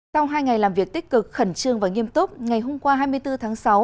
sau hai ngày làm việc tích cực khẩn trương và nghiêm túc ngày hôm qua hai mươi bốn tháng sáu